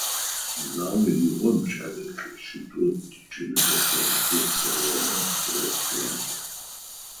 Заом игъом кӏэлэ лъэщитӏу тичылэ дэсыгъ; зыр – сэрыгъэ, адрэр – Тураб.